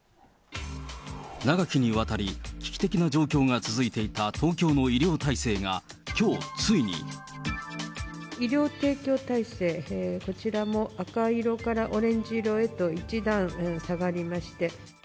長きにわたり危機的な状況が続いていた東京の医療体制がきょ医療提供体制、こちらも赤色からオレンジ色へと１段下がりまして。